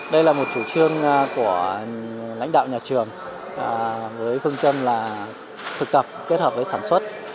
đây là một chủ trương của lãnh đạo nhà trường với phương châm là thực tập kết hợp với sản xuất